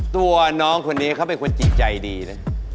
ตัวน้องคนนี้เขาเป็นคนจิตใจดีนะ